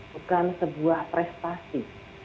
bukan sebuah prestasi